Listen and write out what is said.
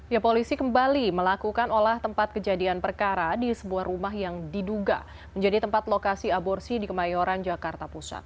ya polisi kembali melakukan olah tempat kejadian perkara di sebuah rumah yang diduga menjadi tempat lokasi aborsi di kemayoran jakarta pusat